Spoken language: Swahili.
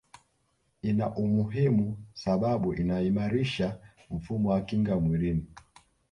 ina umuhimu sababu inaimarisha mfumo wa kinga mwilini